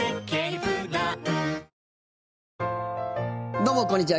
どうもこんにちは。